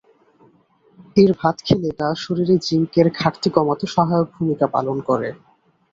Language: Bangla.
এর ভাত খেলে তা শরীরে জিংকের ঘাটতি কমাতে সহায়ক ভূমিকা পালন করে।